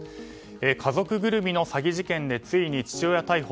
家族ぐるみの詐欺事件でついに父親逮捕。